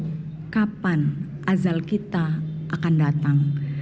karena tidak tahu kapan azal kita akan datang